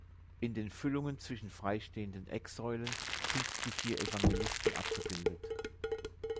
In den Füllungen zwischen freistehenden Ecksäulen sind die vier Evangelisten abgebildet.